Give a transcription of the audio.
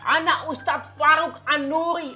ana ustadz faruk anuri